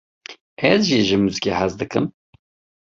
Ez jî ji muzîkê hez dikim.